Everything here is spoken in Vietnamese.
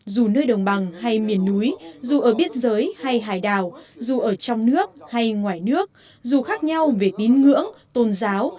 dù nơi đồng bằng hay miền núi dù ở biên giới hay hải đảo dù ở trong nước hay ngoài nước dù khác nhau về tín ngưỡng tôn giáo